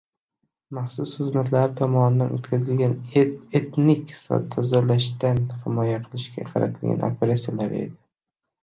maxsus xizmatlari tomonidan o‘tkazilgan etnik tozalashdan himoya qilishga qaratilgan operatsiyalar edi.